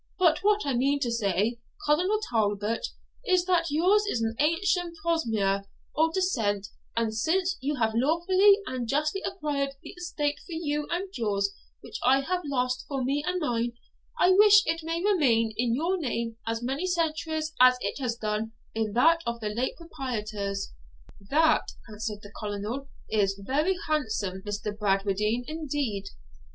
'But what I meant to say, Colonel Talbot, is, that yours is an ancient prosapia, or descent, and since you have lawfully and justly acquired the estate for you and yours which I have lost for me and mine, I wish it may remain in your name as many centuries as it has done in that of the late proprietor's.' 'That,' answered the Colonel, 'is very handsome, Mr. Bradwardine, indeed.'